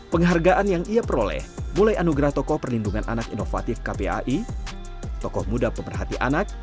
penghargaan yang ia peroleh mulai anugerah tokoh perlindungan anak inovatif kpai tokoh muda pemerhati anak